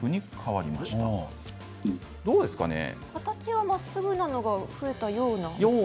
形はまっすぐなのが増えたような。